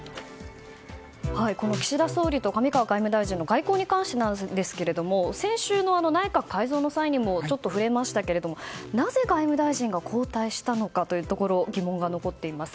この岸田総理と上川外務大臣の外交に関してなんですが先週の内閣改造の際にもちょっと触れましたけれどもなぜ外務大臣が交代したのかというところ疑問が残っています。